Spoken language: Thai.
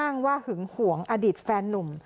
อ้างว่าหึงหวงอดีตแฟนนุ่ม